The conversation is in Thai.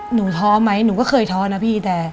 ท้อไหมหนูก็เคยท้อนะพี่แต่